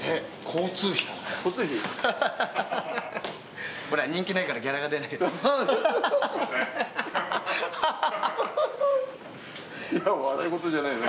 交通費かな、人気ないからギャラが出ないの。